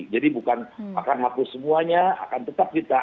jadi bukan akan hapus semuanya akan tetap kita